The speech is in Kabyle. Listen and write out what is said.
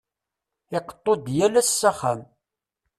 Iqeṭṭu-d yal s axxam.